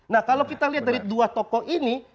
nah kalau kita lihat dari dua tokoh ini